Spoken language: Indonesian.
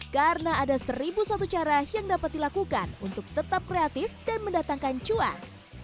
karena ada seribu satu cara yang dapat dilakukan untuk tetap kreatif dan mendatangkan cuan